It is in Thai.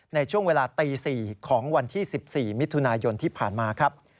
ในช่วงเวลาตี๔ของวันที่๑๔มิถุนายนที่ผ่านมาครับ